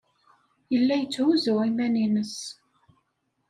Yella yetthuzzu iman-nnes.